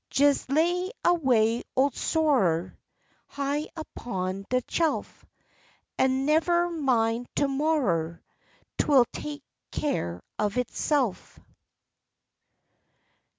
Jes lay away ole Sorrer High upon de shelf; And never mind to morrer, 'Twill take care of itself.